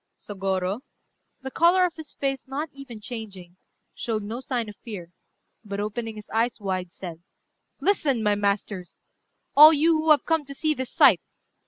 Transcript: Sôgorô, the colour of his face not even changing, showed no sign of fear, but opening his eyes wide, said "Listen, my masters! all you who have come to see this sight.